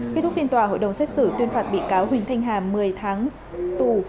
kết thúc phiên tòa hội đồng xét xử tuyên phạt bị cáo huỳnh thanh hà một mươi tháng tù